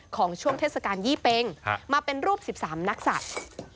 ช่วงเทศกาลยี่เป็งมาเป็นรูป๑๓นักศัตริย์